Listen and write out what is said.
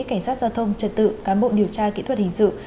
cảnh sát giao thông trật tự cán bộ điều tra kỹ thuật hình sự